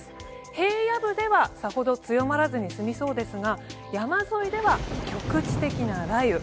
平野部ではさほど強まらずに済みそうですが山沿いでは局地的な雷雨。